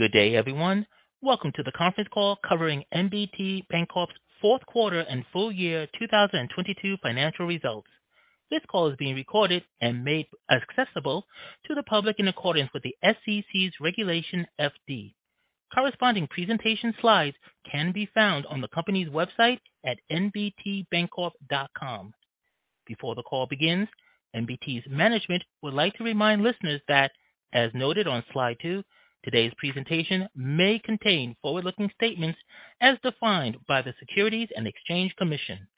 Good day, everyone. Welcome to the conference call covering NBT Bancorp's fourth quarter and full year 2022 financial results. This call is being recorded and made accessible to the public in accordance with the SEC's Regulation FD. Corresponding presentation slides can be found on the company's website at nbtbancorp.com. Before the call begins, NBT's management would like to remind listeners that, as noted on slide two, today's presentation may contain forward-looking statements as defined by the Securities and Exchange Commission.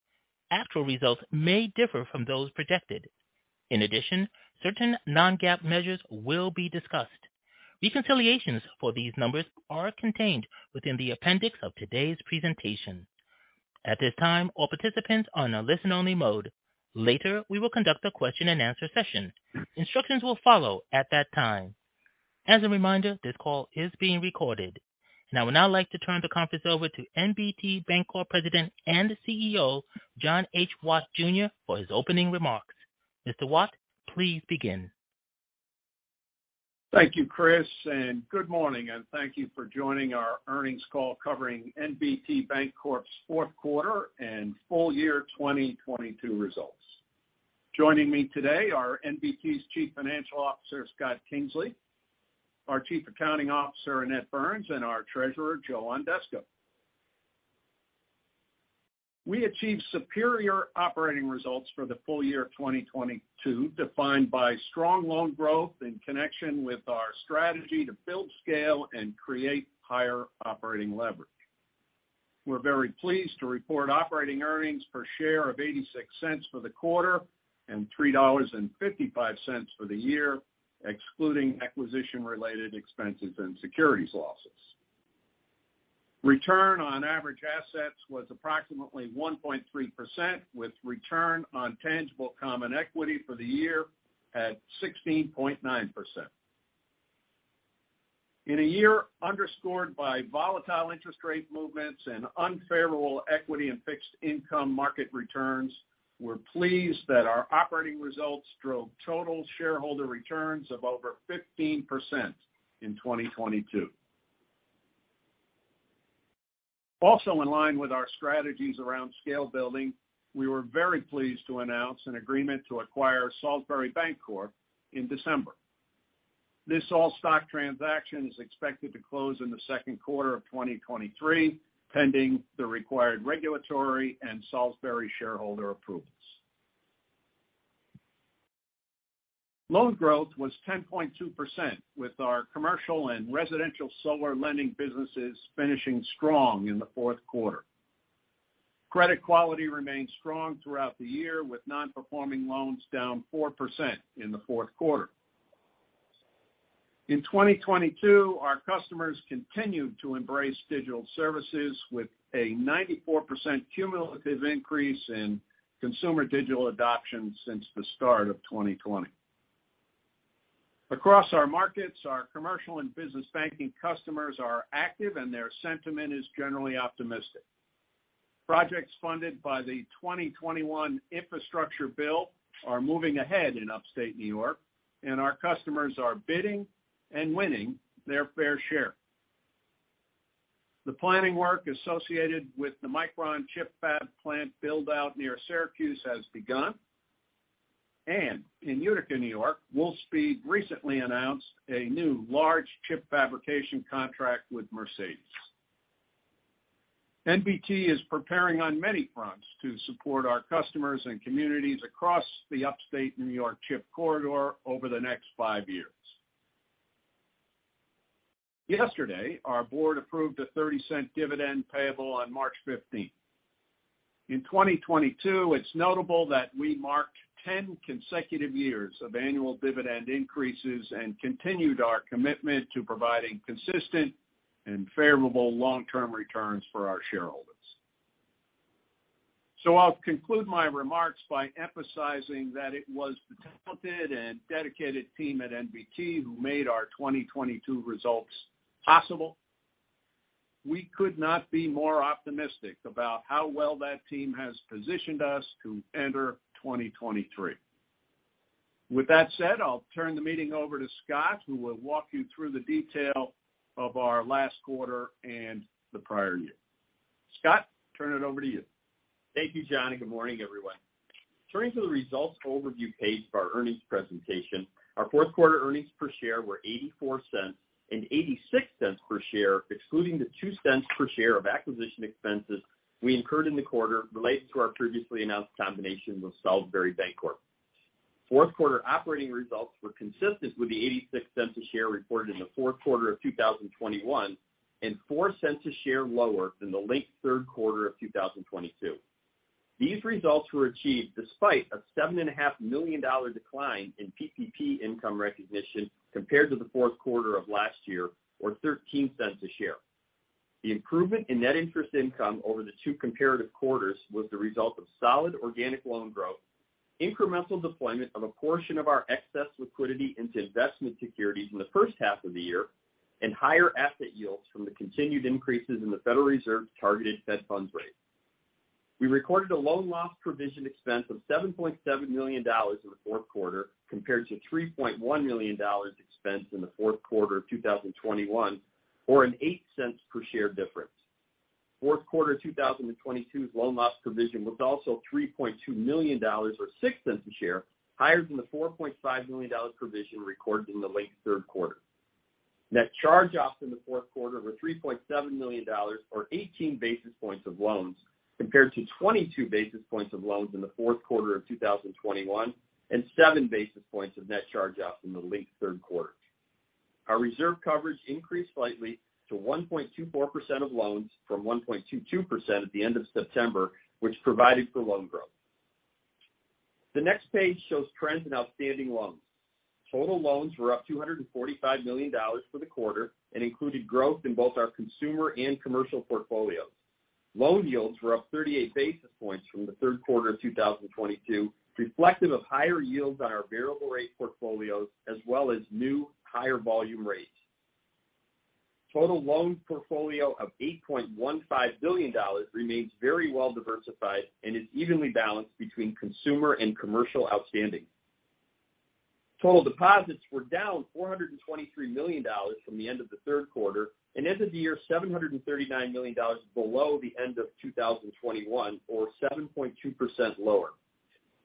Actual results may differ from those projected. In addition, certain non-GAAP measures will be discussed. Reconciliations for these numbers are contained within the appendix of today's presentation. At this time, all participants are in a listen-only mode. Later, we will conduct a question-and-answer session. Instructions will follow at that time. As a reminder, this call is being recorded. I would now like to turn the conference over to NBT Bancorp President and CEO, John H. Watt, Jr., for his opening remarks. Mr. Watt, please begin. Thank you, Chris, and good morning, and thank you for joining our earnings call covering NBT Bancorp's fourth quarter and full year 2022 results. Joining me today are NBT's Chief Financial Officer, Scott Kingsley, our Chief Accounting Officer, Annette Burns, and our Treasurer, Joe Ondesko. We achieved superior operating results for the full year of 2022, defined by strong loan growth in connection with our strategy to build scale and create higher operating leverage. We're very pleased to report operating earnings per share of $0.86 for the quarter and $3.55 for the year, excluding acquisition-related expenses and securities losses. Return on average assets was approximately 1.3%, with return on tangible common equity for the year at 16.9%. In a year underscored by volatile interest rate movements and unfavorable equity and fixed income market returns, we're pleased that our operating results drove total shareholder returns of over 15% in 2022. Also in line with our strategies around scale building, we were very pleased to announce an agreement to acquire Salisbury Bancorp in December. This all-stock transaction is expected to close in the second quarter of 2023, pending the required regulatory and Salisbury shareholder approvals. Loan growth was 10.2%, with our commercial and residential solar lending businesses finishing strong in the fourth quarter. Credit quality remained strong throughout the year, with non-performing loans down 4% in the fourth quarter. In 2022, our customers continued to embrace digital services, with a 94% cumulative increase in consumer digital adoption since the start of 2020. Across our markets, our commercial and business banking customers are active and their sentiment is generally optimistic. Projects funded by the 2021 infrastructure bill are moving ahead in upstate New York, and our customers are bidding and winning their fair share. The planning work associated with the Micron chip fab plant build-out near Syracuse has begun. In Utica, New York, Wolfspeed recently announced a new large chip fabrication contract with Mercedes. NBT is preparing on many fronts to support our customers and communities across the upstate New York chip corridor over the next five years. Yesterday, our board approved a $0.30 dividend payable on March 15th. In 2022, it's notable that we marked 10 consecutive years of annual dividend increases and continued our commitment to providing consistent and favorable long-term returns for our shareholders. I'll conclude my remarks by emphasizing that it was the talented and dedicated team at NBT who made our 2022 results possible. We could not be more optimistic about how well that team has positioned us to enter 2023. With that said, I'll turn the meeting over to Scott, who will walk you through the detail of our last quarter and the prior year. Scott, turn it over to you. Thank you, John. Good morning, everyone. Turning to the results overview page of our earnings presentation, our fourth quarter earnings per share were $0.84 and $0.86 per share, excluding the $0.02 per share of acquisition expenses we incurred in the quarter related to our previously announced combination with Salisbury Bancorp. Fourth quarter operating results were consistent with the $0.86 a share reported in the fourth quarter of 2021, $0.04 a share lower than the linked third quarter of 2022. These results were achieved despite a $7.5 million dollar decline in PPP income recognition compared to the fourth quarter of last year or $0.13 a share. The improvement in net interest income over the two comparative quarters was the result of solid organic loan growth, incremental deployment of a portion of our excess liquidity into investment securities in the first half of the year, and higher asset yields from the continued increases in the Federal Reserve's targeted Fed funds rate. We recorded a loan loss provision expense of $7.7 million in the fourth quarter compared to $3.1 million expense in the fourth quarter of 2021, or an $0.08 per share difference. Fourth quarter 2022's loan loss provision was also $3.2 million or $0.06 a share, higher than the $4.5 million provision recorded in the late third quarter. Net charge-offs in the fourth quarter were $3.7 million or 18 basis points of loans compared to 22 basis points of loans in the fourth quarter of 2021 and 7 basis points of net charge-offs in the late third quarter. Our reserve coverage increased slightly to 1.24% of loans from 1.22% at the end of September, which provided for loan growth. The next page shows trends in outstanding loans. Total loans were up $245 million for the quarter and included growth in both our consumer and commercial portfolios. Loan yields were up 38 basis points from the third quarter of 2022, reflective of higher yields on our variable rate portfolios as well as new higher volume rates. Total loan portfolio of $8.15 billion remains very well diversified and is evenly balanced between consumer and commercial outstanding. Total deposits were down $423 million from the end of the third quarter, and end of the year, $739 million below the end of 2021 or 7.2% lower.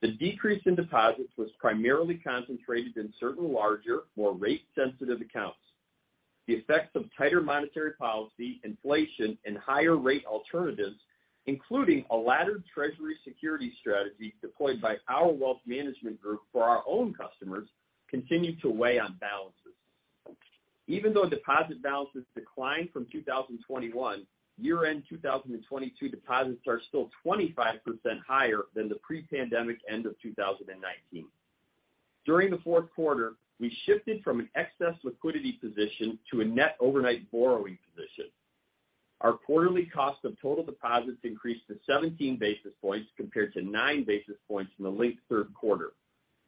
The decrease in deposits was primarily concentrated in certain larger, more rate-sensitive accounts. The effects of tighter monetary policy, inflation, and higher rate alternatives, including a laddered Treasury security strategy deployed by our wealth management group for our own customers, continue to weigh on balances. Even though deposit balances declined from 2021, year-end 2022 deposits are still 25% higher than the pre-pandemic end of 2019. During the fourth quarter, we shifted from an excess liquidity position to a net overnight borrowing position. Our quarterly cost of total deposits increased to 17 basis points compared to 9 basis points in the late third quarter.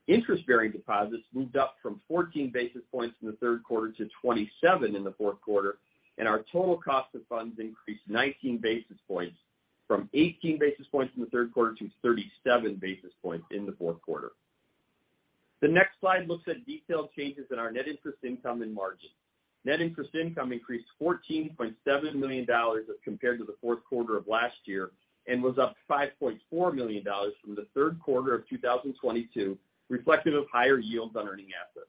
Interest-bearing deposits moved up from 14 basis points in the third quarter to 27 in the fourth quarter. Our total cost of funds increased 19 basis points from 18 basis points in the third quarter to 37 basis points in the fourth quarter. The next slide looks at detailed changes in our Net interest income and margin. Net interest income increased $14.7 million as compared to the fourth quarter of last year and was up $5.4 million from the third quarter of 2022, reflective of higher yields on earning assets.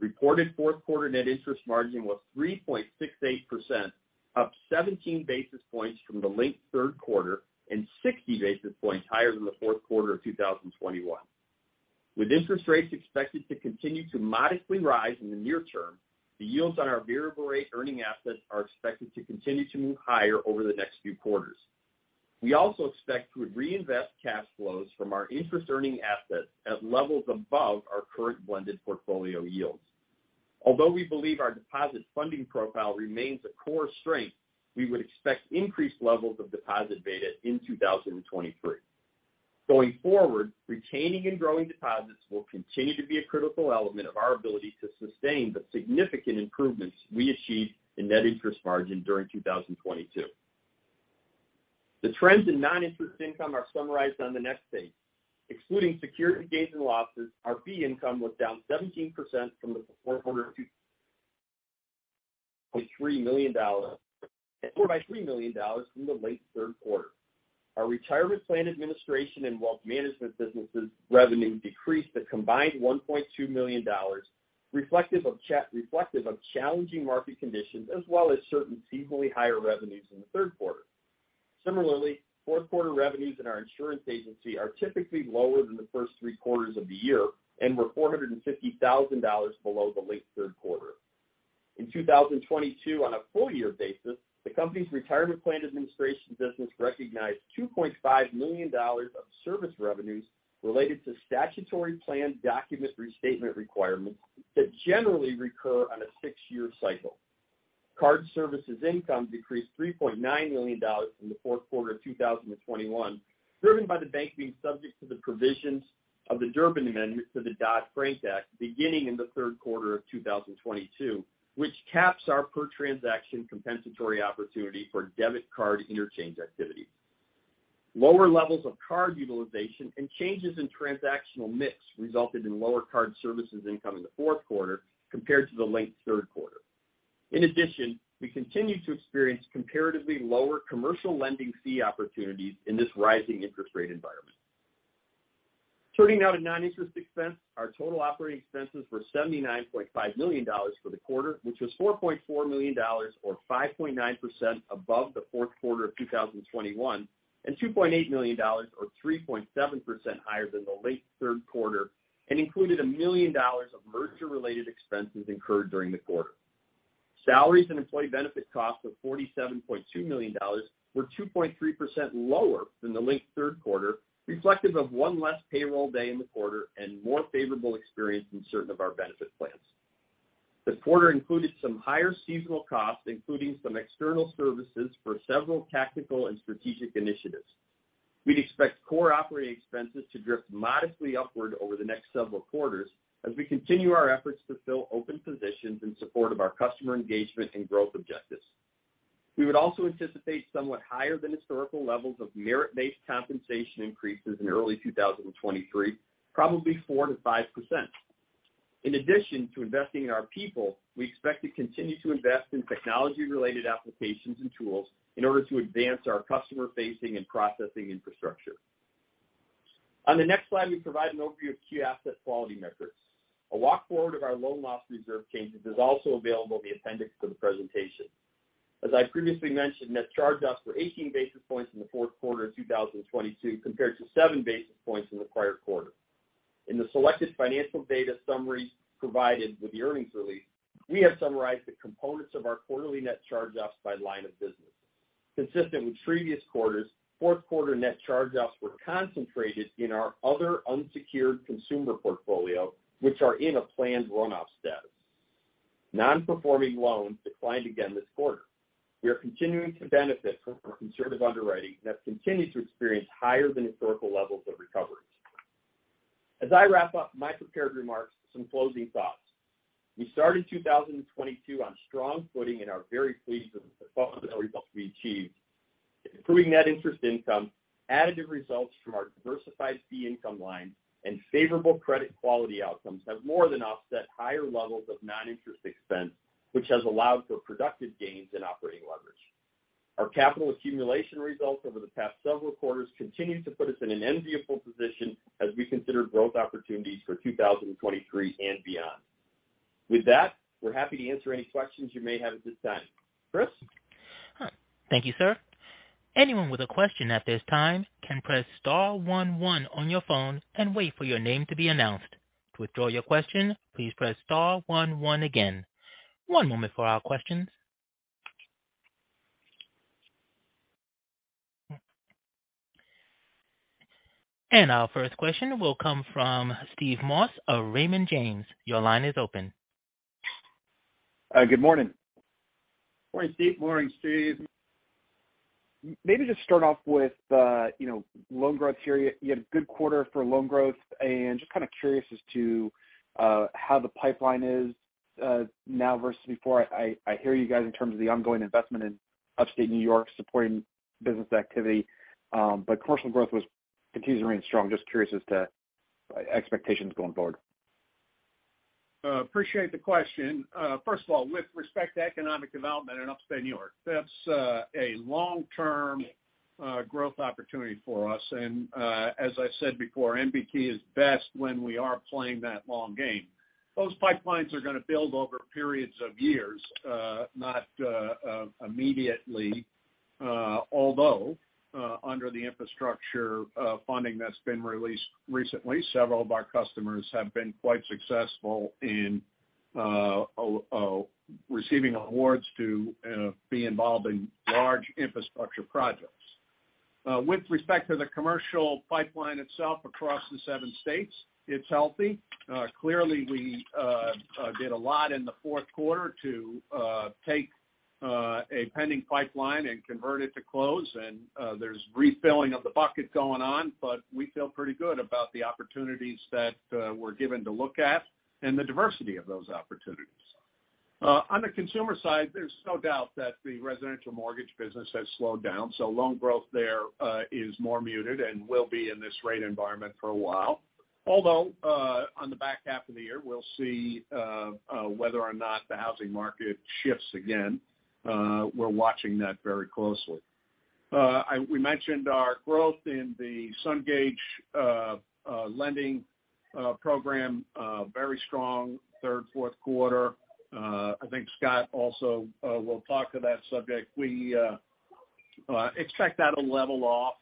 Reported fourth quarter net interest margin was 3.68%, up 17 basis points from the late third quarter and 60 basis points higher than the fourth quarter of 2021. With interest rates expected to continue to modestly rise in the near term, the yields on our variable rate earning assets are expected to continue to move higher over the next few quarters. We also expect to reinvest cash flows from our interest earning assets at levels above our current blended portfolio yields. Although we believe our deposit funding profile remains a core strength, we would expect increased levels of deposit beta in 2023. Going forward, retaining and growing deposits will continue to be a critical element of our ability to sustain the significant improvements we achieved in net interest margin during 2022. The trends in non-interest income are summarized on the next page. Excluding security gains and losses, our fee income was down 17% from the fourth quarter of $2.3 million or by $3 million from the late third quarter. Our retirement plan administration and wealth management businesses revenue decreased a combined $1.2 million, reflective of challenging market conditions as well as certain seasonally higher revenues in the third quarter. Similarly, fourth quarter revenues in our insurance agency are typically lower than the first three quarters of the year and were $450,000 below the late third quarter. In 2022, on a full year basis, the company's retirement plan administration business recognized $2.5 million of service revenues related to statutory plan document restatement requirements that generally recur on a six-year cycle. Card services income decreased $3.9 million from the fourth quarter of 2021, driven by the bank being subject to the provisions of the Durbin Amendment to the Dodd-Frank Act beginning in the third quarter of 2022, which caps our per-transaction compensatory opportunity for debit card interchange activity. Lower levels of card utilization and changes in transactional mix resulted in lower card services income in the fourth quarter compared to the late third quarter. In addition, we continue to experience comparatively lower commercial lending fee opportunities in this rising interest rate environment. Turning now to non-interest expense, our total operating expenses were $79.5 million for the quarter, which was $4.4 million or 5.9% above the fourth quarter of 2021, and $2.8 million or 3.7% higher than the late third quarter, and included $1 million of merger-related expenses incurred during the quarter. Salaries and employee benefit costs of $47.2 million were 2.3% lower than the late third quarter, reflective of one less payroll day in the quarter and more favorable experience in certain of our benefit plans. The quarter included some higher seasonal costs, including some external services for several tactical and strategic initiaties. We'd expect core operating expenses to drift modestly upward over the next several quarters as we continue our efforts to fill open positions in support of our customer engagement and growth objectives. We would also anticipate somewhat higher than historical levels of merit-based compensation increases in early 2023, probably 4%-5%. In addition to investing in our people, we expect to continue to invest in technology-related applications and tools in order to advance our customer-facing and processing infrastructure. On the next slide, we provide an overview of key asset quality metrics. A walk forward of our loan loss reserve changes is also available in the appendix for the presentation. As I previously mentioned, net charge-offs were 18 basis points in the fourth quarter of 2022 compared to 7 basis points in the prior quarter. In the selected financial data summary provided with the earnings release, we have summarized the components of our quarterly net charge-offs by line of business. Consistent with previous quarters, fourth quarter net charge-offs were concentrated in our other unsecured consumer portfolio, which are in a planned runoff status. Non-performing loans declined again this quarter. We are continuing to benefit from our conservative underwriting and have continued to experience higher than historical levels of recoveries. As I wrap up my prepared remarks, some closing thoughts. We started 2022 on strong footing and are very pleased with the results we achieved. Improving net interest income, additive results from our diversified fee income line, and favorable credit quality outcomes have more than offset higher levels of non-interest expense, which has allowed for productive gains in operating leverage. Our capital accumulation results over the past several quarters continue to put us in an enviable position as we consider growth opportunities for 2023 and beyond. With that, we're happy to answer any questions you may have at this time. Chris? Thank you, sir. Anyone with a question at this time can press star one one on your phone and wait for your name to be announced. To withdraw your question, please press star one one again. One moment for our questions. Our first question will come from Steve Moss of Raymond James. Your line is open. good morning. Morning, Steve. Morning, Steve. Maybe just start off with, you know, loan growth here. You had a good quarter for loan growth, and just kind of curious as to how the pipeline is now versus before. I hear you guys in terms of the ongoing investment in Upstate New York supporting business activity, but commercial growth was continuing strong. Just curious as to expectations going forward. Appreciate the question. First of all, with respect to economic development in Upstate New York, that's a long-term growth opportunity for us. As I said before, NBT is best when we are playing that long game. Those pipelines are gonna build over periods of years, not immediately. Although, under the infrastructure funding that's been released recently, several of our customers have been quite successful in receiving awards to be involved in large infrastructure projects. With respect to the commercial pipeline itself across the seven states, it's healthy. Uh, clearly, we, uh, uh, did a lot in the fourth quarter to, uh, take, uh, a pending pipeline and convert it to close and, uh, there's refilling of the bucket going on, but we feel pretty good about the opportunities that, uh, we're given to look at and the diversity of those opportunities. Uh, on the consumer side, there's no doubt that the residential mortgage business has slowed down, so loan growth there, uh, is more muted and will be in this rate environment for a while. Although, uh, on the back half of the year, we'll see, uh, uh, whether or not the housing market shifts again. Uh, we're watching that very closely. Uh, I-- We mentioned our growth in the Sungage, uh, uh, lending, uh, program, uh, very strong third, fourth quarter. Uh, I think Scott also, uh, will talk to that subject. We expect that'll level off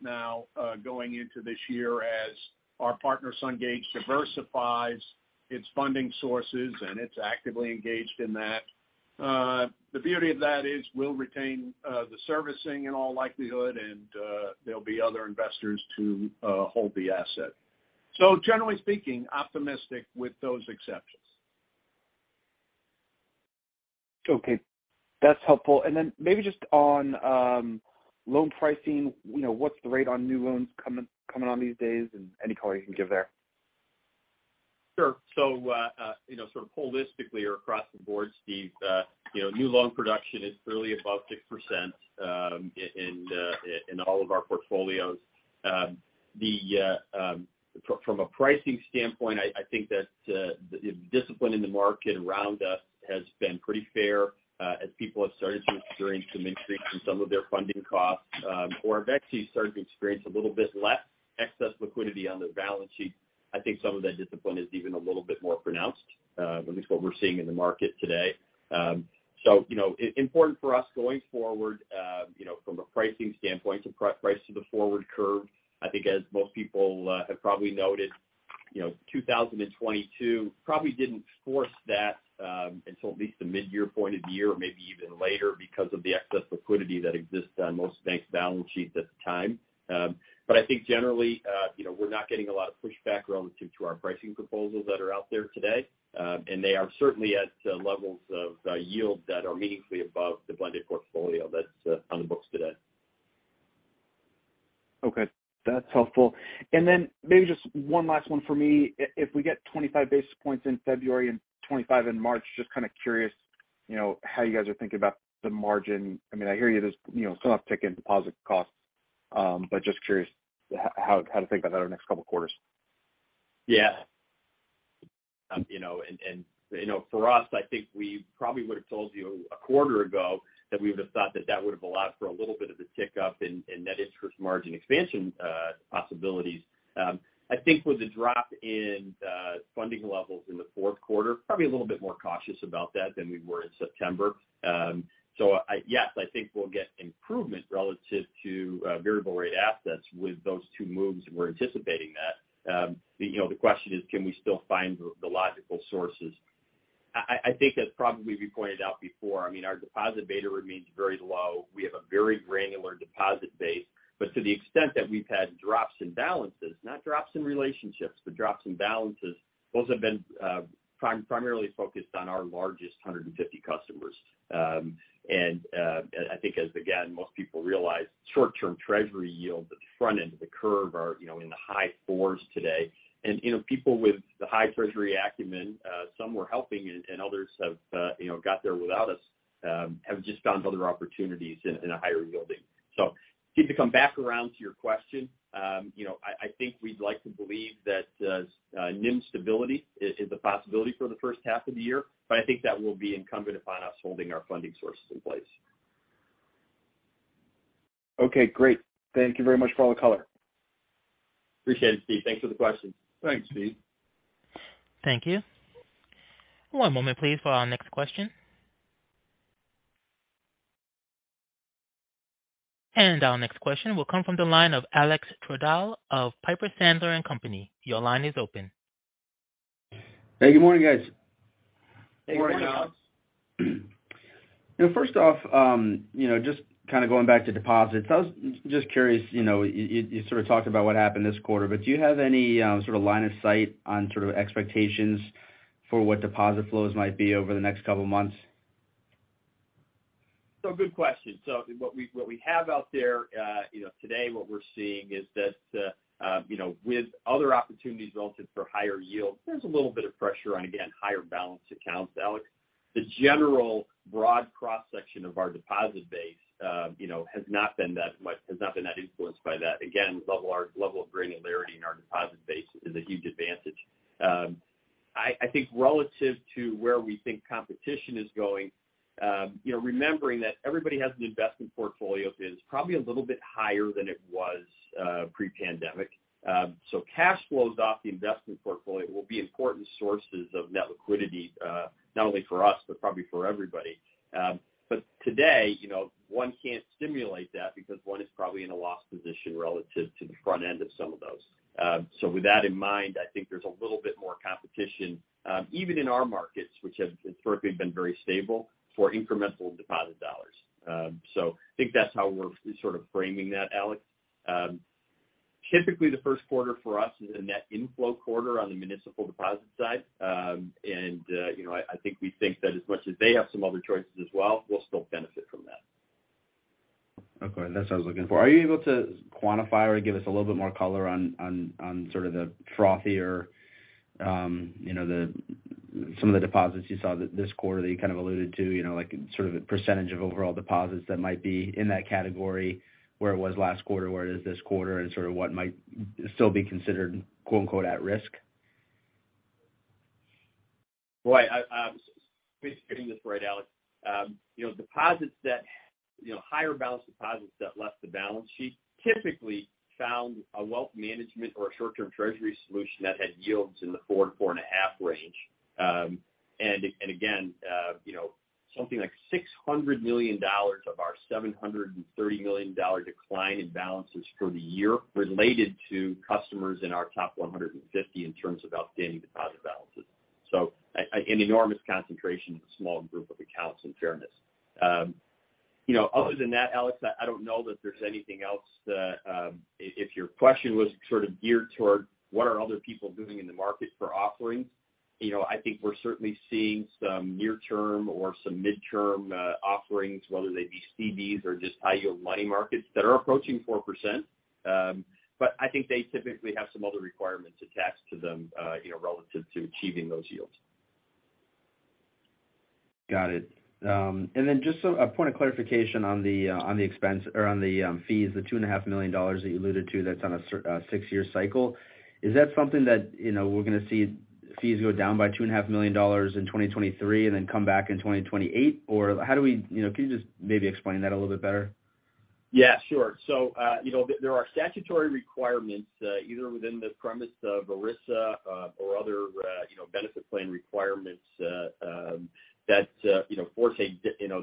now going into this year as our partner, Sungage Financial, diversifies its funding sources, and it's actively engaged in that. The beauty of that is we'll retain the servicing in all likelihood and there'll be other investors to hold the asset. Generally speaking, optimistic with those exceptions. Okay. That's helpful. Maybe just on loan pricing, you know, what's the rate on new loans coming on these days and any color you can give there? Sure. You know, sort of holistically or across the board, Steve, you know, new loan production is clearly above 6%, in all of our portfolios. From a pricing standpoint, I think that the discipline in the market around us has been pretty fair, as people have started to experience some increase in some of their funding costs, or have actually started to experience a little bit less excess liquidity on their balance sheet. I think some of that discipline is even a little bit more pronounced, at least what we're seeing in the market today. You know, important for us going forward, you know, from a pricing standpoint to price to the forward curve. I think as most people, have probably noted, you know, 2022 probably didn't force that until at least the mid-year point of the year or maybe even later because of the excess liquidity that exists on most banks' balance sheets at the time. I think generally, you know, we're not getting a lot of pushback relative to our pricing proposals that are out there today, and they are certainly at levels of yield that are meaningfully above the blended portfolio that's on the books today. Okay. That's helpful. Then maybe just one last one for me. If we get 25 basis points in February and 25 in March, just kind of curious, you know, how you guys are thinking about the margin? I mean, I hear you there's, you know, some uptick in deposit costs. Just curious how to think about that over the next couple of quarters? Yeah. you know, and, you know, for us, I think we probably would have told you a quarter ago that we would have thought that that would have allowed for a little bit of a tick up in Net interest margin expansion, possibilities. I think with the drop in, funding levels in the fourth quarter, probably a little bit more cautious about that than we were in September. Yes, I think we'll get improvement relative to, variable rate assets with those two moves, we're anticipating that. you know, the question is, can we still find the logical sources? I, I think as probably we pointed out before, I mean, our Deposit beta remains very low. We have a very granular deposit base. To the extent that we've had drops in balances, not drops in relationships, but drops in balances, those have been primarily focused on our largest 150 customers. I think as, again, most people realize short-term treasury yields at the front end of the curve are, you know, in the high 4s today. You know, people with the high treasury acumen, some we're helping and others have, you know, got there without us, have just found other opportunities in a higher yielding. I think to come back around to your question, you know, I think we'd like to believe that NIM stability is a possibility for the first half of the year, but I think that will be incumbent upon us holding our funding sources in place. Okay, great. Thank you very much for all the color. Appreciate it, Steve. Thanks for the question. Thanks, Steve. Thank you. One moment, please, for our next question. Our next question will come from the line of Alex Twerdahl of Piper Sandler and Company. Your line is open. Hey, good morning, guys. Good morning, Alex. You know, first off, you know, just kind of going back to deposits. I was just curious, you know, you sort of talked about what happened this quarter, but do you have any sort of line of sight on sort of expectations for what deposit flows might be over the next couple of months? Good question. What we have out there, you know, today what we're seeing is that, you know, with other opportunities relative for higher yields, there's a little bit of pressure on, again, higher balance accounts, Alex. The general broad cross-section of our deposit base, you know, has not been that influenced by that. Again, level of granularity in our deposit base is a huge advantage. I think relative to where we think competition is going, you know, remembering that everybody has an investment portfolio is probably a little bit higher than it was, pre-pandemic. Cash flows off the investment portfolio will be important sources of net liquidity, not only for us, but probably for everybody. Today, you know, one can't stimulate that because one is probably in a lost position relative to the front end of some of those. With that in mind, I think there's a little bit more competition, even in our markets, which have historically been very stable for incremental deposit dollars. I think that's how we're sort of framing that, Alex. Typically the first quarter for us is a net inflow quarter on the municipal deposit side. You know, I think we think that as much as they have some other choices as well, we'll still benefit from that. Okay. That's what I was looking for. Are you able to quantify or give us a little bit more color on sort of the frothier, you know, some of the deposits you saw this quarter that you kind of alluded to, you know, like sort of the percentage of overall deposits that might be in that category, where it was last quarter, where it is this quarter, and sort of what might still be considered, quote-unquote, at risk? Let me frame this right, Alex. You know, deposits that, you know, higher balance deposits that left the balance sheet typically found a wealth management or a short-term treasury solution that had yields in the 4-4.5% range. Again, you know, something like $600 million of our $730 million decline in balances for the year related to customers in our top 150 in terms of outstanding deposit balances. An enormous concentration of a small group of accounts in fairness. You know, other than that, Alex, I don't know that there's anything else to. If your question was sort of geared toward what are other people doing in the market for offerings, you know, I think we're certainly seeing some near term or some midterm offerings, whether they be CDs or just high yield money markets that are approaching 4%. I think they typically have some other requirements attached to them, you know, relative to achieving those yields. Got it. Then just a point of clarification on the, on the expense or on the, fees, the $2.5 million that you alluded to that's on a six-year cycle. Is that something that, you know, we're gonna see fees go down by $2.5 million in 2023 and then come back in 2028? Or how do we... You know, can you just maybe explain that a little bit better? Yeah, sure. You know, there are statutory requirements, either within the premise of ERISA, or other, you know, benefit plan requirements, that, you know, force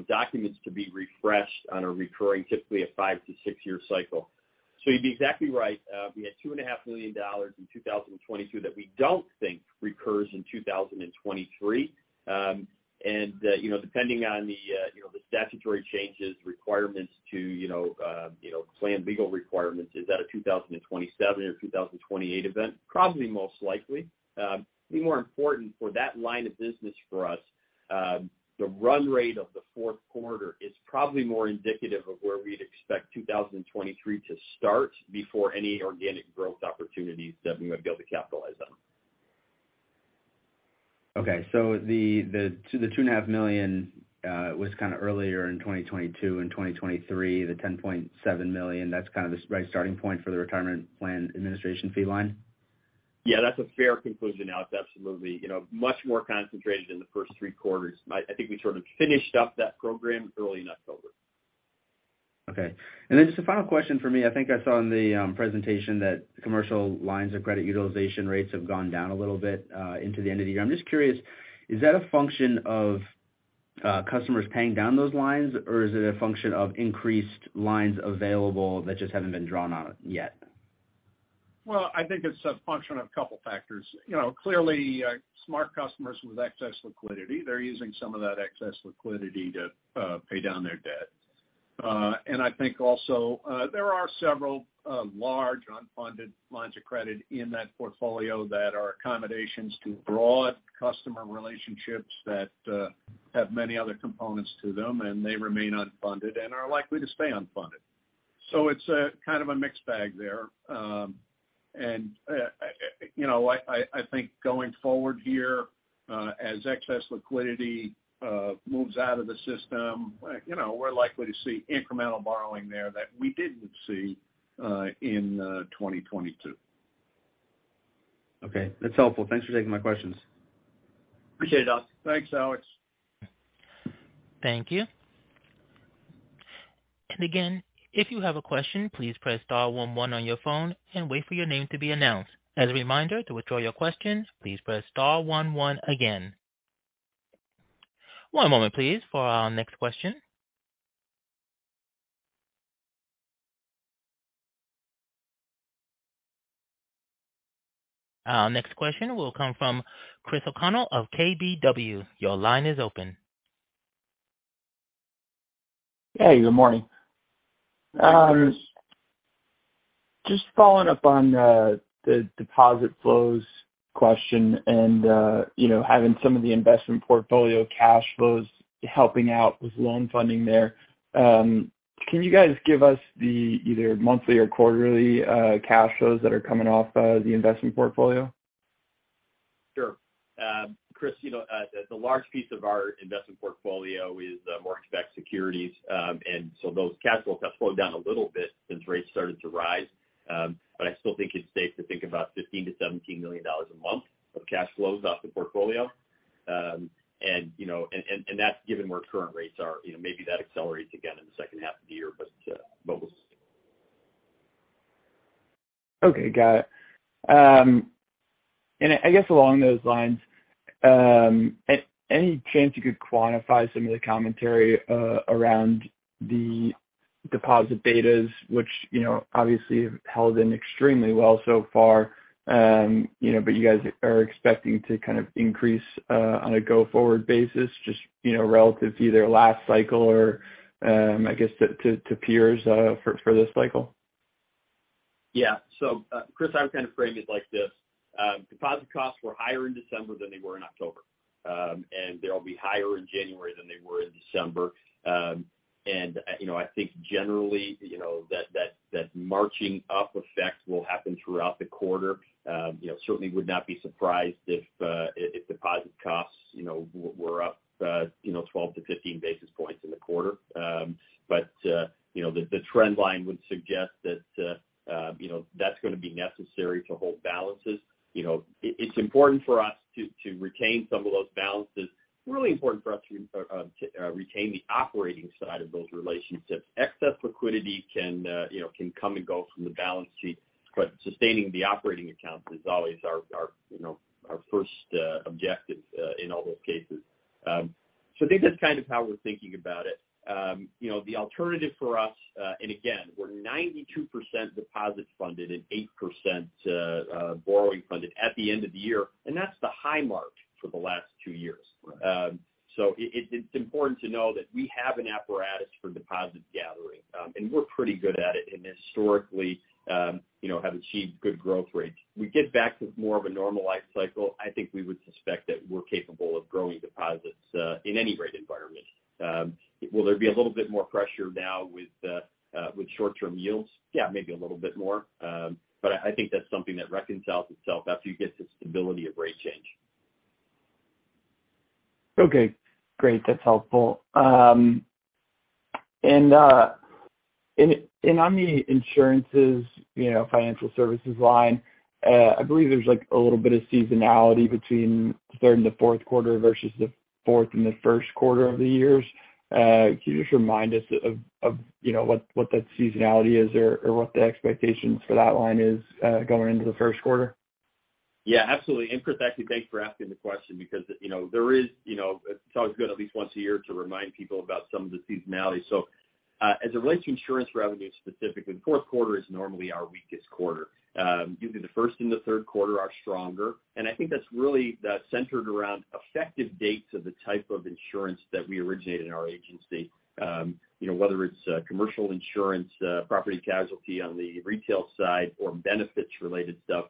documents to be refreshed on a recurring, typically a five to six-year cycle. You'd be exactly right. We had $2.5 million in 2022 that we don't think recurs in 2023. You know, depending on the, you know, the statutory changes, requirements to, you know, plan legal requirements, is that a 2027 or 2028 event? Probably most likely. Be more important for that line of business for us, the run rate of the fourth quarter is probably more indicative of where we'd expect 2023 to start before any organic growth opportunities that we would be able to capitalize on. Okay. The $2.5 million was kind of earlier in 2022 and 2023, the $10.7 million, that's kind of the right starting point for the retirement plan administration fee line? Yeah, that's a fair conclusion, Alex. Absolutely. You know, much more concentrated in the first three quarters. I think we sort of finished up that program early in October. Just a final question for me. I think I saw in the presentation that commercial lines of credit utilization rates have gone down a little bit into the end of the year. I'm just curious, is that a function of customers paying down those lines, or is it a function of increased lines available that just haven't been drawn on it yet? Well, I think it's a function of a couple factors. You know, clearly, smart customers with excess liquidity, they're using some of that excess liquidity to pay down their debt. I think also, there are several large unfunded lines of credit in that portfolio that are accommodations to broad customer relationships that have many other components to them, and they remain unfunded and are likely to stay unfunded. It's a kind of a mixed bag there. You know, I, I think going forward here, as excess liquidity moves out of the system, like, you know, we're likely to see incremental borrowing there that we didn't see in 2022. Okay. That's helpful. Thanks for taking my questions. Appreciate it, Alex. Thanks, Alex. Thank you. And again, if you have a question, please press star one one on your phone and wait for your name to be announced. As a reminder, to withdraw your questions, please press star one one again. One moment, please, for our next question. Our next question will come from Chris O'Connell of KBW. Your line is open. Hey, good morning. Just following up on the deposit flows question and, you know, having some of the investment portfolio cash flows helping out with loan funding there, can you guys give us the either monthly or quarterly cash flows that are coming off the investment portfolio? Sure. Chris, you know, the large piece of our investment portfolio is Mortgage-backed securities. Those cash flows have slowed down a little bit since rates started to rise. I still think it's safe to think about $15 million-$17 million a month of cash flows off the portfolio. You know, and that's given where current rates are. You know, maybe that accelerates again in the second half of the year, but we'll see. Okay. Got it. I guess along those lines, any chance you could quantify some of the commentary around the deposit betas, which, you know, obviously have held in extremely well so far, you know, but you guys are expecting to kind of increase on a go-forward basis just, you know, relative to either last cycle or, I guess to peers, for this cycle? Yeah. Chris, I would kind of frame it like this. Deposit costs were higher in December than they were in October. They'll be higher in January than they were in December. I think generally, you know, that marching up effect will happen throughout the quarter. You know, certainly would not be surprised if deposit costs, you know, were up, you know, 12-15 basis points in the quarter. You know, the trend line would suggest that, you know, that's gonna be necessary to hold balances. You know, it's important for us to retain some of those balances. Really important for us to retain the operating side of those relationships. Excess liquidity can, you know, can come and go from the balance sheet, but sustaining the operating accounts is always our, you know, our first objective in all those cases. I think that's kind of how we're thinking about it. You know, the alternative for us, again, we're 92% deposit funded and 8% borrowing funded at the end of the year, and that's the high mark for the last two years. It's important to know that we have an apparatus for deposit gathering, and we're pretty good at it and historically, you know, have achieved good growth rates. We get back to more of a normalized cycle, I think we would suspect that we're capable of growing deposits in any rate environment. Will there be a little bit more pressure now with short-term yields? Yeah, maybe a little bit more. I think that's something that reconciles itself after you get the stability of rate change. Okay. Great. That's helpful. In Omni Insurances, you know, financial services line, I believe there's, like, a little bit of seasonality between the third and the fourth quarter versus the fourth and the first quarter of the years. Can you just remind us of, you know, what that seasonality is or what the expectations for that line is, going into the first quarter? Yeah, absolutely. Chris, actually, thanks for asking the question because, you know, there is, you know, it's always good at least once a year to remind people about some of the seasonality. As it relates to insurance revenue specifically, fourth quarter is normally our weakest quarter. Usually the first and the third quarter are stronger, and I think that's really centered around effective dates of the type of insurance that we originate in our agency. You know, whether it's commercial insurance, property casualty on the retail side or benefits-related stuff.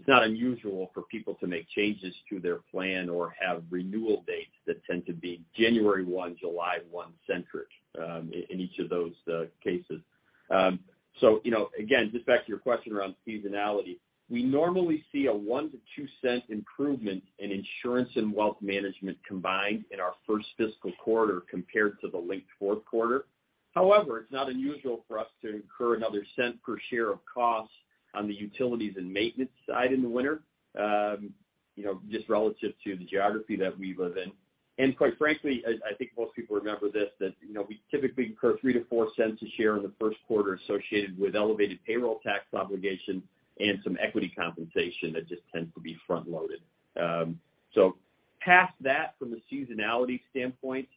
It's not unusual for people to make changes to their plan or have renewal dates that tend to be January 1, July 1-centric, in each of those cases. You know, again, just back to your question around seasonality. We normally see a $0.01-$0.02 improvement in insurance and wealth management combined in our first fiscal quarter compared to the linked fourth quarter. However, it's not unusual for us to incur another $0.01 per share of costs on the utilities and maintenance side in the winter, you know, just relative to the geography that we live in. Quite frankly, I think most people remember this, that, you know, we typically incur $0.03-$0.04 a share in the first quarter associated with elevated payroll tax obligations and some equity compensation that just tends to be front-loaded. So past that, from a seasonality standpoint,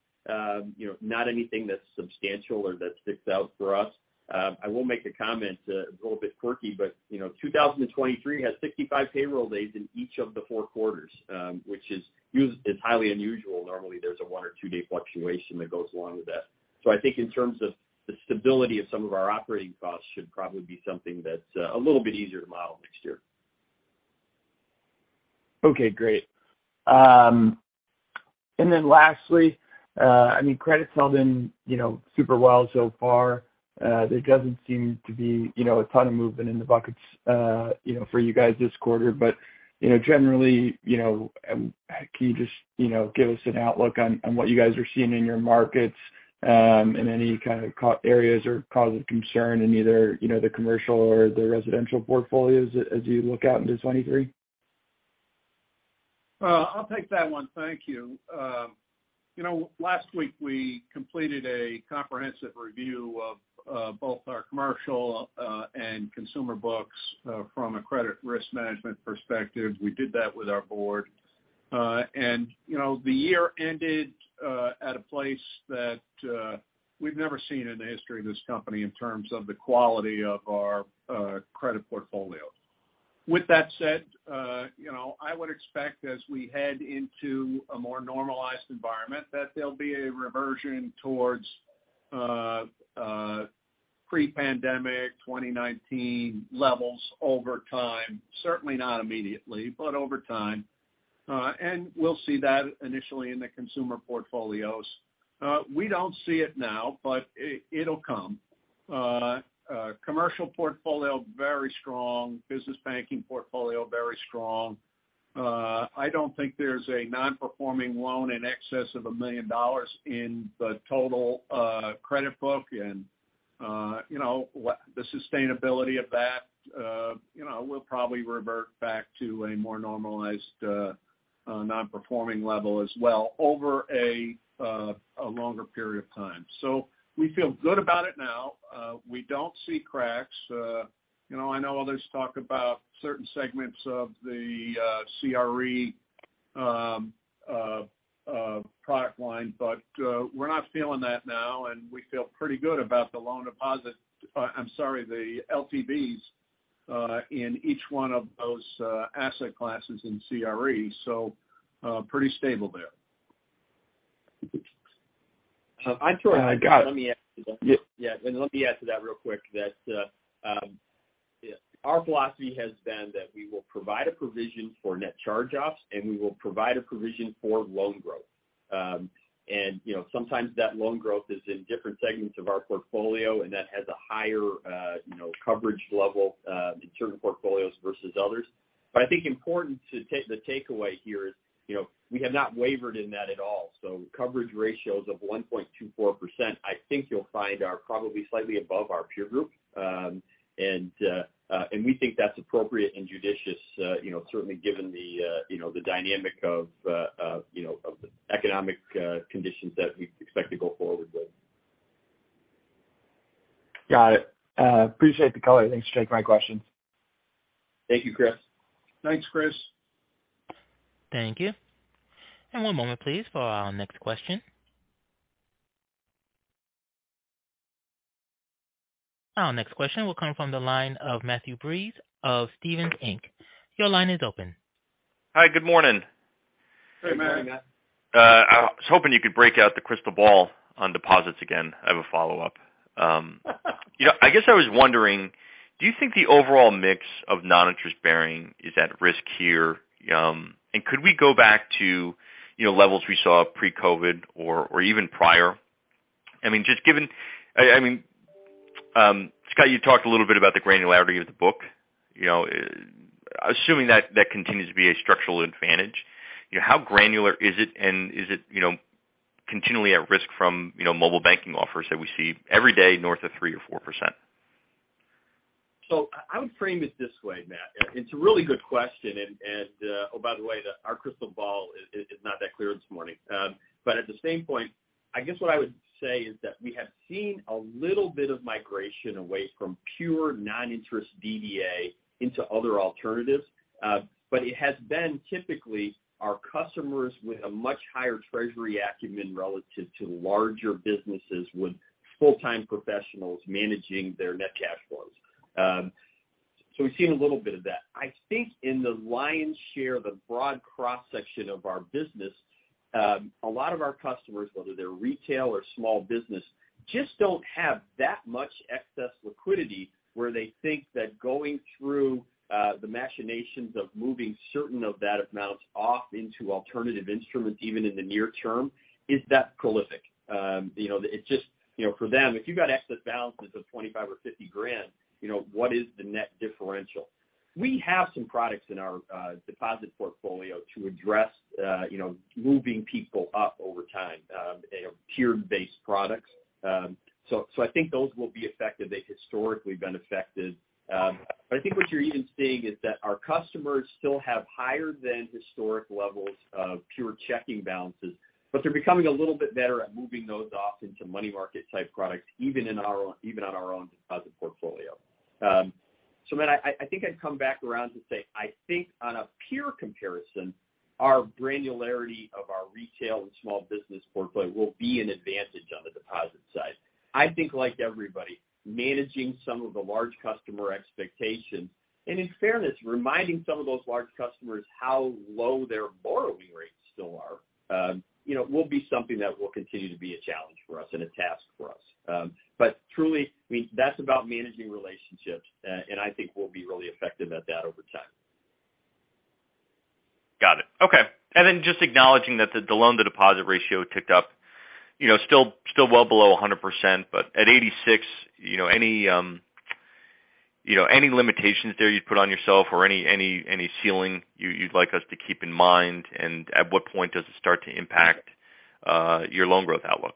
you know, not anything that's substantial or that sticks out for us. I will make a comment, a little bit quirky, but, you know, 2023 has 65 payroll days in each of the four quarters, which is highly unusual. Normally, there's a one or two day fluctuation that goes along with that. I think in terms of the stability of some of our operating costs should probably be something that's a little bit easier to model next year. Okay, great. Then lastly, I mean, credit's held in, you know, super well so far. There doesn't seem to be, you know, a ton of movement in the buckets, you know, for you guys this quarter. Generally, you know, can you just, you know, give us an outlook on what you guys are seeing in your markets, and any kind of areas or causes of concern in either, you know, the commercial or the residential portfolios as you look out into 2023? I'll take that one. Thank you. You know, last week we completed a comprehensive review of both our commercial and consumer books from a credit risk management perspective. We did that with our board. You know, the year ended at a place that we've never seen in the history of this company in terms of the quality of our credit portfolio. With that said, you know, I would expect as we head into a more normalized environment, that there'll be a reversion towards pre-pandemic 2019 levels over time. Certainly not immediately, but over time. We'll see that initially in the consumer portfolios. We don't see it now, but it'll come. Commercial portfolio, very strong. Business banking portfolio, very strong. I don't think there's a non-performing loan in excess of $1 million in the total credit book. You know, the sustainability of that, you know, will probably revert back to a more normalized non-performing level as well over a longer period of time. We feel good about it now. We don't see cracks. You know, I know others talk about certain segments of the CRE product line, but we're not feeling that now, and we feel pretty good about the LTVs in each one of those asset classes in CRE. Pretty stable there. Uh, I'd- Got it. Let me add to that. Yeah. Yeah, let me add to that real quick that our philosophy has been that we will provide a provision for net charge-offs, and we will provide a provision for loan growth. You know, sometimes that loan growth is in different segments of our portfolio, and that has a higher, you know, coverage level in certain portfolios versus others. I think important to the takeaway here is, you know, we have not wavered in that at all. Coverage ratios of 1.24%, I think you'll find are probably slightly above our peer group. And we think that's appropriate and judicious, you know, certainly given the, you know, the dynamic of, you know, of the economic conditions that we expect to go forward with. Got it. Appreciate the color. Thanks for taking my questions. Thank you, Chris. Thanks, Chris. Thank you. One moment please for our next question. Our next question will come from the line of Matthew Breese of Stephens Inc. Your line is open. Hi, good morning. Good morning, Matt. Hey, Matt. I was hoping you could break out the crystal ball on deposits again. I have a follow-up. You know, I guess I was wondering, do you think the overall mix of non-interest bearing is at risk here? Could we go back to, you know, levels we saw pre-COVID or even prior? I mean, Scott, you talked a little bit about the granularity of the book. You know, assuming that continues to be a structural advantage, you know, how granular is it, and is it, you know, continually at risk from, you know, mobile banking offers that we see every day north of 3% or 4%? I would frame it this way, Matt. It's a really good question. Oh, by the way, our crystal ball is not that clear this morning. At the same point, I guess what I would say is that we have seen a little bit of migration away from pure non-interest DDA into other alternatives. It has been typically our customers with a much higher treasury acumen relative to larger businesses with full-time professionals managing their net cash flows. We've seen a little bit of that. I think in the lion's share, the broad cross-section of our business. A lot of our customers, whether they're retail or small business, just don't have that much excess liquidity where they think that going through the machinations of moving certain of that amount off into alternative instruments, even in the near term, is that prolific. You know, it just, you know, for them, if you've got excess balances of $25,000 or $50,000, you know, what is the net differential? We have some products in our deposit portfolio to address, you know, moving people up over time, you know, tier-based products. I think those will be effective. They historically have been effective. I think what you're even seeing is that our customers still have higher than historic levels of pure checking balances, but they're becoming a little bit better at moving those off into money market type products, even on our own deposit portfolio. Man, I think I'd come back around to say, I think on a peer comparison, our granularity of our retail and small business portfolio will be an advantage on the deposit side. I think like everybody, managing some of the large customer expectations, and in fairness, reminding some of those large customers how low their borrowing rates still are, you know, will be something that will continue to be a challenge for us and a task for us. Truly, I mean, that's about managing relationships. I think we'll be really effective at that over time. Got it. Okay. Just acknowledging that the loan to deposit ratio ticked up, you know, still well below 100%, but at 86, you know, any, you know, any limitations there you'd put on yourself or any ceiling you'd like us to keep in mind? At what point does it start to impact your loan growth outlook?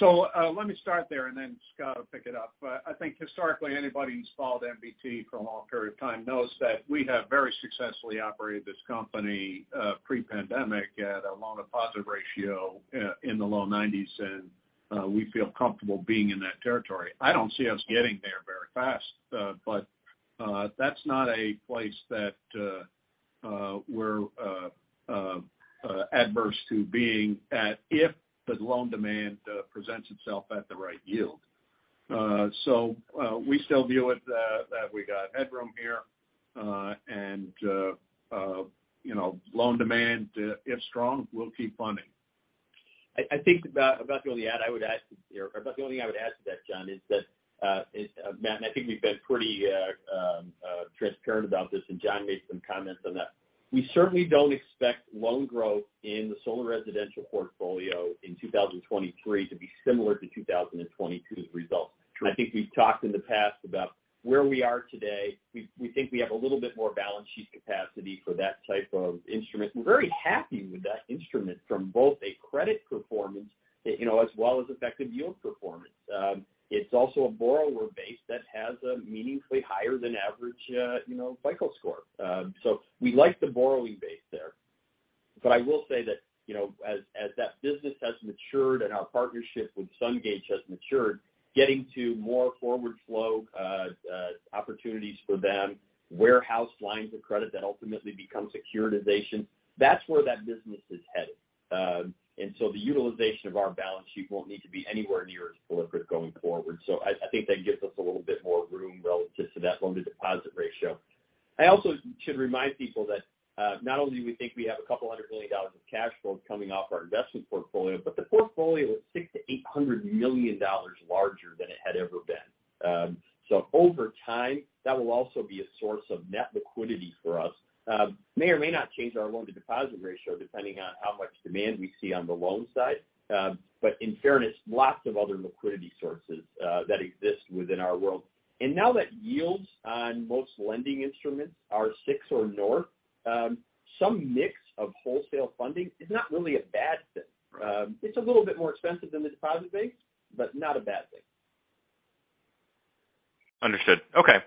Let me start there and then Scott will pick it up. I think historically anybody who's followed NBT for a long period of time knows that we have very successfully operated this company, pre-pandemic at a loan deposit ratio, in the low 90s, and we feel comfortable being in that territory. I don't see us getting there very fast, but that's not a place that we're adverse to being at if the loan demand presents itself at the right yield. We still view it that we got headroom here, and, you know, loan demand, if strong, we'll keep funding. I think about the only thing I would add to that, John, is that, Matt, and I think we've been pretty transparent about this, and John made some comments on that. We certainly don't expect loan growth in the solar residential portfolio in 2023 to be similar to 2022's results. I think we've talked in the past about where we are today. We think we have a little bit more balance sheet capacity for that type of instrument. We're very happy with that instrument from both a credit performance, you know, as well as effective yield performance. It's also a borrower base that has a meaningfully higher than average, you know, FICO score. We like the borrowing base there. I will say that, you know, as that business has matured and our partnership with Sungage has matured, getting to more forward flow opportunities for them, warehouse lines of credit that ultimately become securitization, that's where that business is headed. The utilization of our balance sheet won't need to be anywhere near as prolific going forward. I think that gives us a little bit more room relative to that loan to deposit ratio. I also should remind people that not only do we think we have a couple hundred million dollars of cash flow coming off our investment portfolio, but the portfolio is $600 million-$800 million larger than it had ever been. Over time, that will also be a source of net liquidity for us. May or may not change our loan to deposit ratio depending on how much demand we see on the loan side. In fairness, lots of other liquidity sources that exist within our world. Now that yields on most lending instruments are 6% or north, some mix of wholesale funding is not really a bad thing. It's a little bit more expensive than the deposit base, but not a bad thing. Understood. Okay.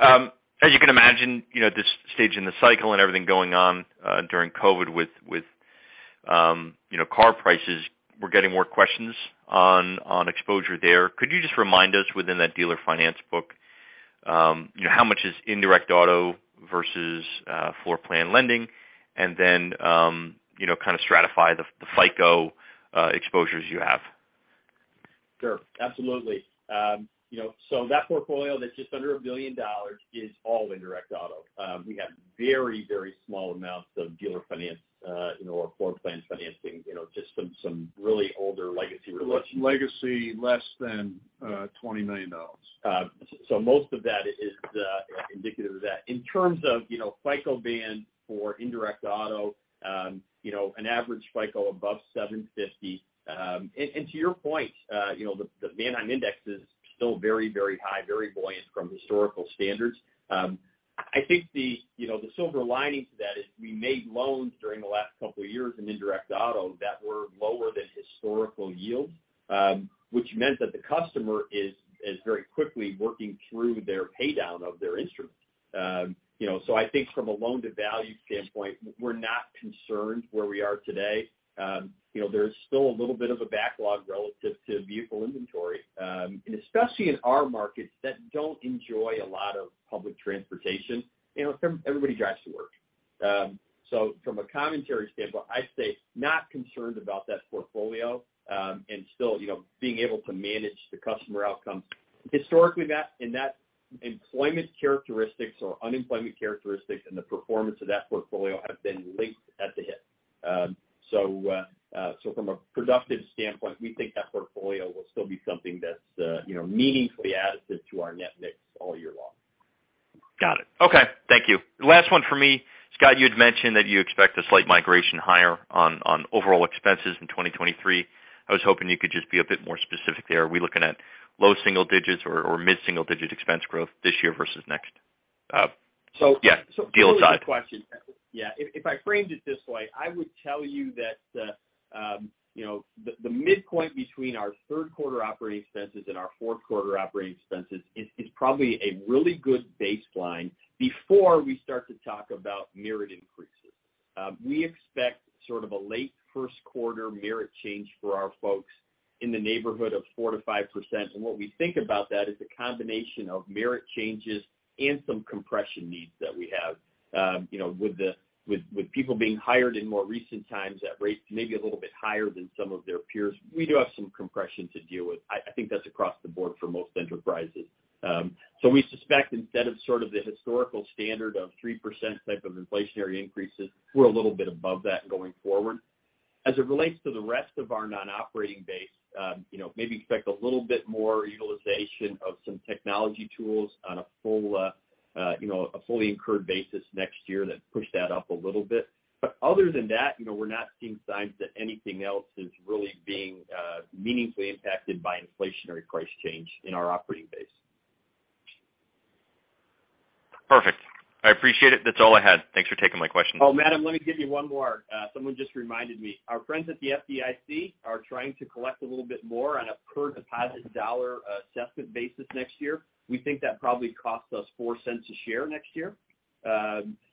As you can imagine, you know, at this stage in the cycle and everything going on, during COVID with, you know, car prices, we're getting more questions on exposure there. Could you just remind us within that dealer finance book, you know, how much is indirect auto versus floor plan lending? Then, you know, kind of stratify the FICO exposures you have. Sure. Absolutely. you know, that portfolio that's just under $1 billion is all indirect auto. we have very, very small amounts of dealer finance, you know, or floor plan financing, you know, just from some really older legacy relations. Legacy less than $20 million. Most of that is indicative of that. In terms of, you know, FICO band for indirect auto, you know, an average FICO above 750. To your point, you know, the Manheim Index is still very, very high, very buoyant from historical standards. I think the, you know, the silver lining to that is we made loans during the last couple of years in indirect auto that were lower than historical yields, which meant that the customer is very quickly working through their paydown of their instruments. You know, I think from a loan to value standpoint, we're not concerned where we are today. You know, there's still a little bit of a backlog relative to vehicle inventory, especially in our markets that don't enjoy a lot of public transportation. You know, everybody drives to work. From a commentary standpoint, I say not concerned about that portfolio, and still, you know, being able to manage the customer outcome. Historically, in that employment characteristics or unemployment characteristics and the performance of that portfolio have been linked at the hip. From a productive standpoint, we think that portfolio will still be something that's, you know, meaningfully additive to our net mix all year long. Got it. Okay. Thank you. Last one for me. Scott, you had mentioned that you expect a slight migration higher on overall expenses in 2023. I was hoping you could just be a bit more specific there. Are we looking at low single digits or mid-single digit expense growth this year versus next? Yeah. Deal aside? Really good question. Yeah. If I framed it this way, I would tell you that, you know, the midpoint between our third quarter operating expenses and our fourth quarter operating expenses is probably a really good baseline before we start to talk about merit increases. We expect sort of a late first quarter merit change for our folks in the neighborhood of 4%-5%. What we think about that is the combination of merit changes and some compression needs that we have. You know, with people being hired in more recent times at rates maybe a little bit higher than some of their peers, we do have some compression to deal with. I think that's across the board for most enterprises. We suspect instead of sort of the historical standard of 3% type of inflationary increases, we're a little bit above that going forward. As it relates to the rest of our non-operating base, you know, maybe expect a little bit more utilization of some technology tools on a full, you know, a fully incurred basis next year that pushed that up a little bit. Other than that, you know, we're not seeing signs that anything else is really being meaningfully impacted by inflationary price change in our operating base. Perfect. I appreciate it. That's all I had. Thanks for taking my question. Matt, let me give you one more. Someone just reminded me. Our friends at the FDIC are trying to collect a little bit more on a per deposit dollar assessment basis next year. We think that probably costs us $0.04 A share next year,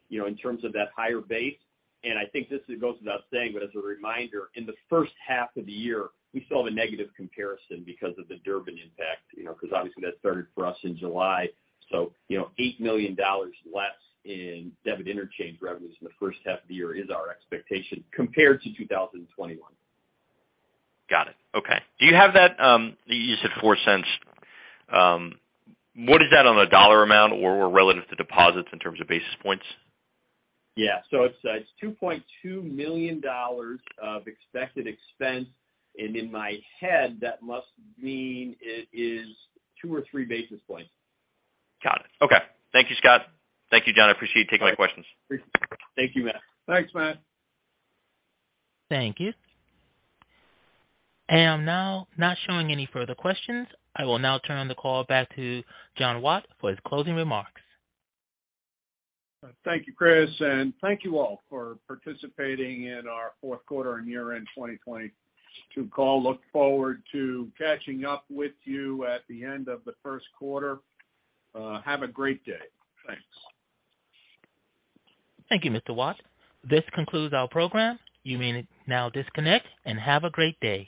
you know, in terms of that higher base. I think this goes without saying, but as a reminder, in the first half of the year, we still have a negative comparison because of the Durbin impact, you know, because obviously that started for us in July. You know, $8 million less in debit interchange revenues in the first half of the year is our expectation compared to 2021. Got it. Okay. Do you have that? You said $0.04. What is that on a dollar amount or relative to deposits in terms of basis points? Yeah. It's $2.2 million of expected expense. In my head, that must mean it is 2 basis points or 3 basis points. Got it. Okay. Thank you, Scott. Thank you, John. I appreciate you taking my questions. Appreciate it. Thank you, Matt. Thanks, Matt. Thank you. I am now not showing any further questions. I will now turn the call back to John Watt for his closing remarks. Thank you, Chris, and thank you all for participating in our fourth quarter and year-end 2022 call. Look forward to catching up with you at the end of the first quarter. Have a great day. Thanks. Thank you, Mr. Watt. This concludes our program. You may now disconnect and have a great day.